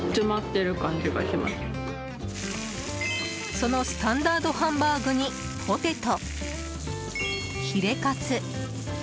そのスタンダードハンバーグにポテト、ヒレカツ